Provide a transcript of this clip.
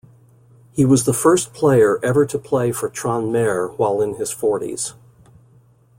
He was the first player ever to play for Tranmere while in his forties.